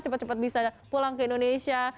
cepat cepat bisa pulang ke indonesia